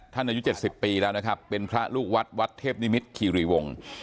อายุ๗๐ปีแล้วนะครับเป็นพระลูกวัดวัดเทพนิมิตรคีรีวงศ์